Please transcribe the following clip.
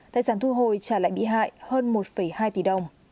tài sản thu hồi trả lại bị hại hơn một hai tỷ đồng